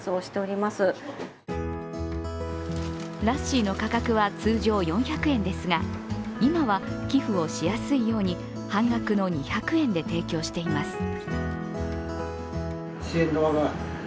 ラッシーの価格は通常４００円ですが今は寄付をしやすいように半額の２００円で提供しています。